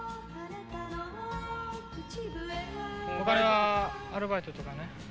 お金はアルバイトとかね